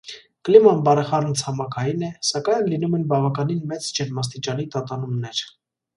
Կլիման բարեխառն ցամաքային է, սակայն լինում են բավականին մեծ ջերմաստիճանի տատանումներ։